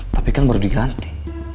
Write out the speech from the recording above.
tapi kan baru diganti